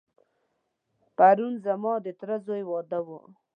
پرون ځما دتره دځوی واده و.